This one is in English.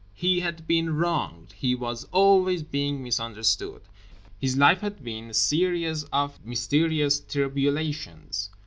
He had been wronged. He was always being misunderstood. His life had been a series of mysterious tribulations.